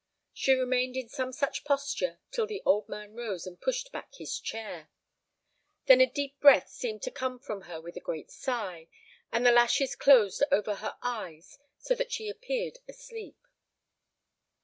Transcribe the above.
She remained in some such posture till the old man rose and pushed back his chair. Then a deep breath seemed to come from her with a great sigh, and the lashes closed over her eyes so that she appeared asleep.